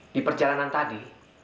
di perjalanan tadi